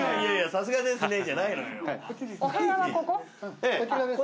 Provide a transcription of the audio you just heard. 「さすがですね」じゃないのよ。こちらです。